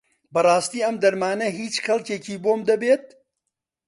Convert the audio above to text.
بەڕاستی ئەم دەرمانە هیچ کەڵکێکی بۆم دەبێت؟